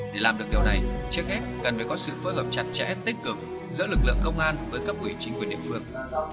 đó là một kế hoạch để phá án thành công